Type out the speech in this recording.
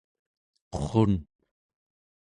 qurrun